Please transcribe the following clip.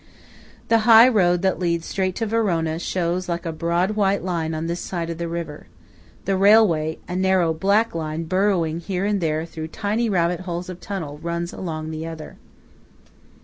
The high road that leads straight to Verona shows like a broad white line on this side of the river; the railway, a narrow black line burrowing here and there through tiny rabbit holes of tunnel, runs along the other.